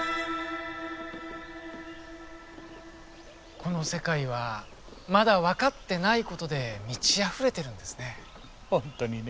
この世界はまだ分かってないことで満ちあふれているんですね。